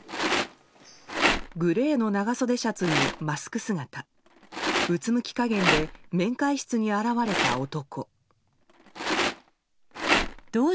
グレーの長袖シャツにマスク姿うつむき加減で面会室に現れた男。